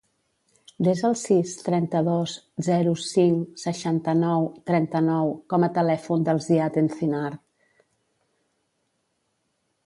Desa el sis, trenta-dos, zero, cinc, seixanta-nou, trenta-nou com a telèfon del Ziad Encinar.